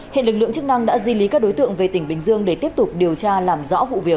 hiện lực lượng chức năng đã di lý các đối tượng về tỉnh bình dương để tiếp tục điều tra làm rõ vụ việc